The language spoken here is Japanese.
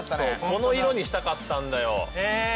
この色にしたかったんだよへぇ！